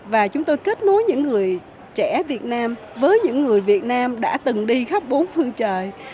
và chúng tôi kết nối những người trẻ việt nam với những người việt nam đã từng đi khắp bốn phương trời